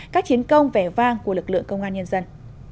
các chiến công vẻ vang của lực lượng công an nhân dân